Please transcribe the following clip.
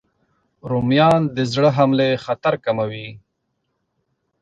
رومیان د زړه حملې خطر کموي